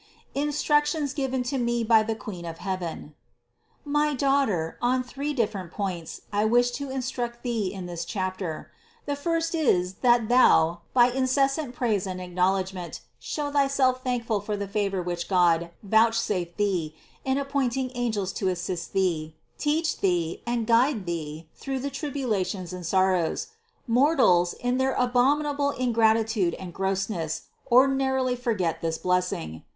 INSTRUCTIONS GIVEN TO ME BY THE QUEEN OF HEAVEN. 375. My daughter, on three different points, I wish to instruct thee in this chapter. The first is that thou, by in cessant praise and acknowledgment, show thyself thank ful for the favor which God vouchsafed thee in appoint ing angels to assist thee, teach thee, and guide thee through the tribulations and sorrows. Mortals, in their abominable ingratitude and grossness, ordinarily forget this blessing.